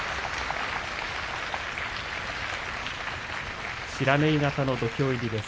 拍手不知火型の土俵入りです。